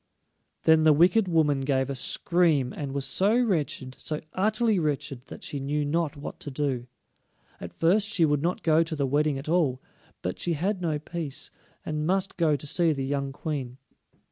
Then the wicked woman gave a scream, and was so wretched, so utterly wretched, that she knew not what to do. At first she would not go to the wedding at all, but she had no peace, and must go to see the young Queen.